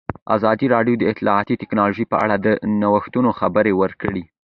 ازادي راډیو د اطلاعاتی تکنالوژي په اړه د نوښتونو خبر ورکړی.